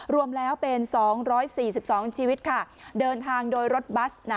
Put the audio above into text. รวมแล้วเป็นสองร้อยสี่สิบสองชีวิตค่ะเดินทางโดยรถบัส